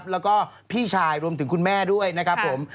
แล้วก็พี่ชายรวมถึงคุณแม่ด้วยนะครับผม